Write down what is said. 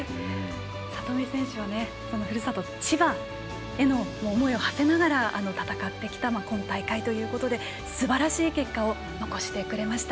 里見選手は、ふるさとの千葉への思いをはせながら戦ってきた今大会ということですばらしい結果を残してくれました。